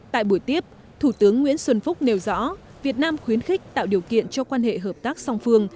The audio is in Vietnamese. tại buổi tiếp thủ tướng nguyễn xuân phúc nêu rõ việt nam khuyến khích tạo điều kiện cho quan hệ hợp tác song phương